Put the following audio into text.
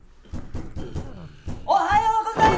・おはようございます！